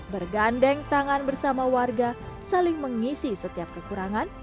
bergandeng tangan bersama warga saling mengisi setiap kekurangan